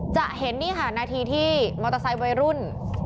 จะเห็นนี่ค่ะนาทีที่มอเตอร์ไซค์วัยรุ่น